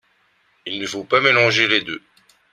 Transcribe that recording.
Il ne faut pas mélanger les deux.